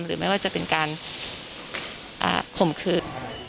หรือไม่ว่าจะเป็นการข่มขืน